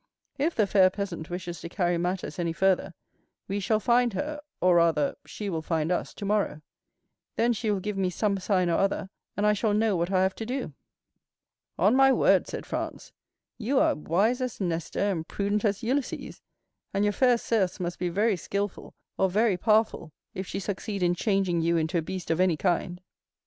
If the fair peasant wishes to carry matters any further, we shall find her, or rather, she will find us tomorrow; then she will give me some sign or other, and I shall know what I have to do." "On my word," said Franz, "you are as wise as Nestor and prudent as Ulysses, and your fair Circe must be very skilful or very powerful if she succeed in changing you into a beast of any kind."